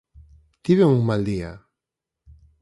Tiven un mal día!